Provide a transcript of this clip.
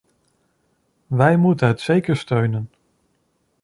Wij moeten het zeker steunen.